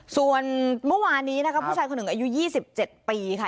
ส่วนเมื่อวานนี้นะครับผู้ชายคนหนึ่งอายุยี่สิบเจ็ดปีค่ะ